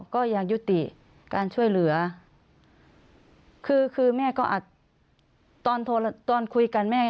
ก็อยากยุติการช่วยเหลือคือคือแม่ก็อาจตอนโทรตอนคุยกันแม่